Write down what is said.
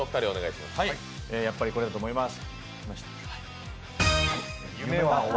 やっぱりこれだと思います。